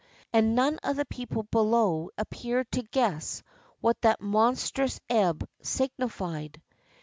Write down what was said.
And none of the people below appeared to guess what that monstrous ebb sig nified.